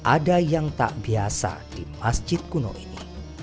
ada yang tak biasa di masjid kuno ini